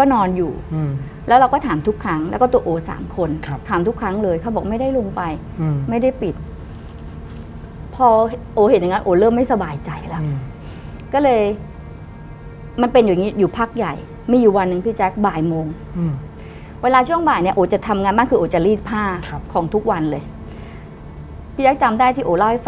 ก็นอนอยู่อืมแล้วเราก็ถามทุกครั้งแล้วก็ตัวอ๋อสามคนครับถามทุกครั้งเลยเขาบอกไม่ได้ลงไปอืมไม่ได้ปิดพออ๋อเห็นอย่างงั้นอ๋อเริ่มไม่สบายใจแล้วอืมก็เลยมันเป็นอย่างงี้อยู่พักใหญ่ไม่อยู่วันนึงพี่แจ๊คบ่ายโมงอืมเวลาช่วงบ่ายเนี้ยอ๋อจะทำงานบ้างคืออ๋อจะรีดผ้าครับของทุกวันเลยพี่แจ๊คจำได้ที่อ